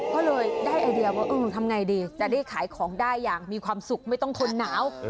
ก็เลยได้ไอเดียว่าเออทำไงดีจะได้ขายของได้อย่างมีความสุขไม่ต้องทนหนาว